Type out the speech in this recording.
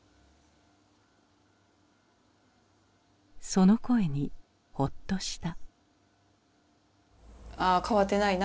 その声にほっとした。